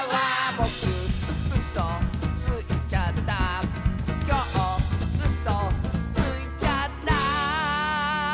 「ぼくうそついちゃった」「きょううそついちゃった」